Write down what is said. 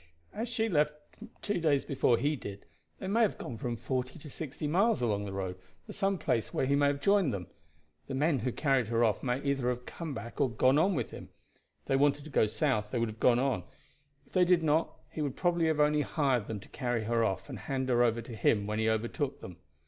As she left two days before he did, they may have gone from forty to sixty miles along the road, to some place where he may have joined them. The men who carried her off may either have come back or gone on with him. If they wanted to go south they would go on; if they did not, he would probably have only hired them to carry her off and hand her over to him when he overtook them.